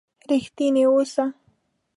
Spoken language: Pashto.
رښتيني وسه.